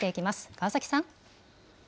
川崎さん。